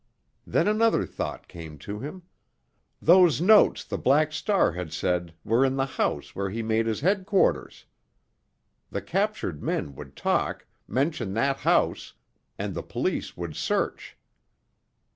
Then another thought came to him—those notes the Black Star had said were in the house where he made his headquarters! The captured men would talk, mention that house, and the police would search.